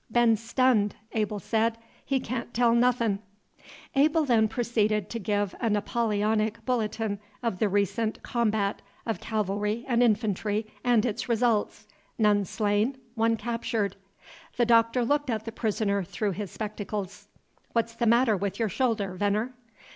"Been stunded," Abel said. "He can't tell nothin'." Abel then proceeded to give a Napoleonic bulletin of the recent combat of cavalry and infantry and its results, none slain, one captured. The Doctor looked at the prisoner through his spectacles. "What 's the matter with your shoulder, Venner?"